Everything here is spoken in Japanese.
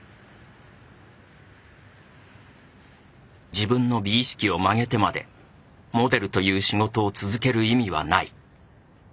自分の美意識を曲げてまでモデルという仕事を続ける意味はない。